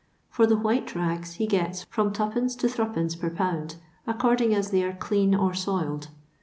For the white rags ho gets from 2d. to 3^ per pound, according as they are clean or soiled.